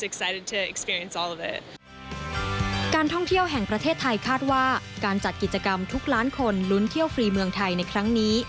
การท่องเที่ยวแห่งประเทศไทยคาดว่าการจัดกิจกรรมทุกล้านคนลุ้นเที่ยวฟรีเมืองไทยในครั้งนี้